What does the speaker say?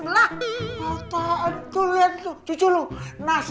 masya allah pana